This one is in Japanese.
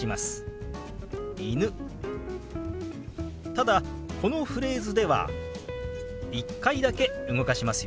ただこのフレーズでは１回だけ動かしますよ。